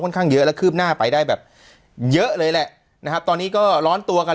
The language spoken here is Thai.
ข้างเยอะและคืบหน้าไปได้แบบเยอะเลยแหละนะครับตอนนี้ก็ร้อนตัวกัน